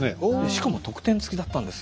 しかも特典つきだったんですよ